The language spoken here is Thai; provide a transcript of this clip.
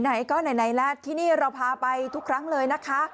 ไหนก็ไหนแล้วที่นี่เราพาไปทุกครั้งเลยนะคะ